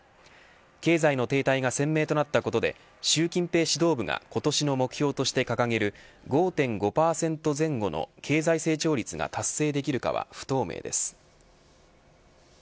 経済の停滞が鮮明となったことで習近平指導部が今年の目標として掲げる５．５％前後の経済成長率が達成できるかは不透明です。